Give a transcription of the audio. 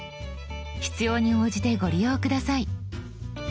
必要に応じてご利用下さい。